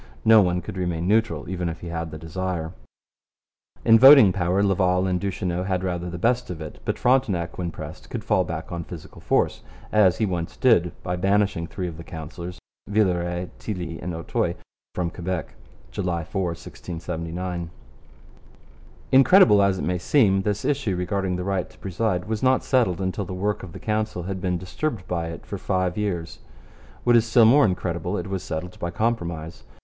No one could remain neutral even if he had the desire. In voting power Laval and Duchesneau had rather the best of it, but Frontenac when pressed could fall back on physical force; as he once did by banishing three of the councillors Villeray, Tilly, and Auteuil from Quebec (July 4, 1679). Incredible as it may seem, this issue regarding the right to preside was not settled until the work of the Council had been disturbed by it for five years. What is still more incredible, it was settled by compromise.